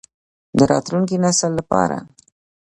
د راتلونکي نسل لپاره.